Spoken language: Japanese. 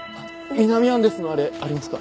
南アンデスのあれありますか？